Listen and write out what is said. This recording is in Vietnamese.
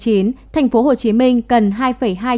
thành phố hồ chí minh cần